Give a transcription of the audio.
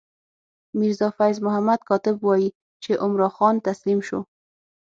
میرزا فیض محمد کاتب وايي چې عمرا خان تسلیم شو.